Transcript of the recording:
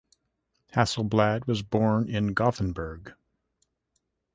Hasselblad was born in Gothenburg.